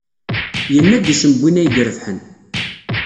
Yenna-d isem n win ay irebḥen.